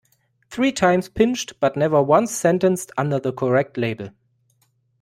Three times pinched, but never once sentenced under the correct label.